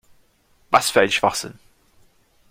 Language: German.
Was für ein Schwachsinn!